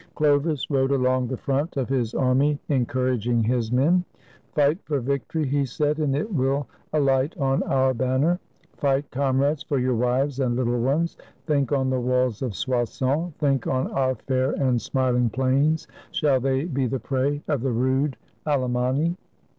Chlovis rode along the front of his army, encouraging his men. "Fight for victory," he 'said, 'and it will alight on our banner. Fight, comrades, for your wives and little ones. Think on the walls of Soissons; think on our fair and smiling plains. Shall they be the prey of the rude Alemanni?